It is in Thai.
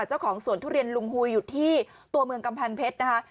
เจ้าของสวนทุเรียนลุงฮูยอยู่ที่ตัวเมืองกำแพงเพชรนะคะ